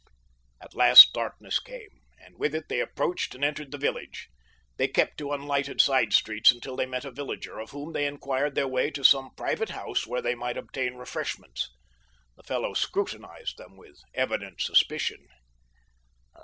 At last darkness came, and with it they approached and entered the village. They kept to unlighted side streets until they met a villager, of whom they inquired their way to some private house where they might obtain refreshments. The fellow scrutinized them with evident suspicion.